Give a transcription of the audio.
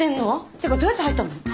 てかどうやって入ったの？